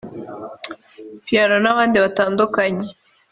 Phyno n’abandi batandukanye